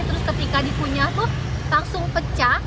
terus ketika dipunya food langsung pecah